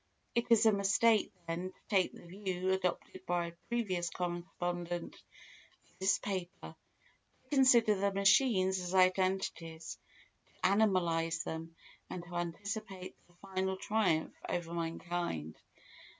It is a mistake, then, to take the view adopted by a previous correspondent of this paper; to consider the machines as identities, to animalise them, and to anticipate their final triumph over mankind.